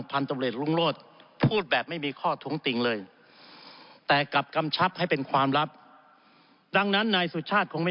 ศันยาหรือจะซื้อจะขายอะไรเนี่ยต้องขาดบอร์ดต้องมี